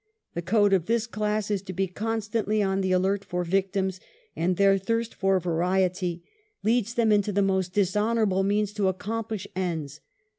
The code of this class is to be constantly on the alert for victims, and their 'thirst for variety'^leads INTRODUCTION. 9^ them into the most dishonorable means to accomj)lish ends.